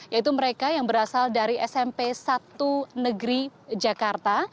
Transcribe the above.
yaitu mereka yang berasal dari smp satu negeri jakarta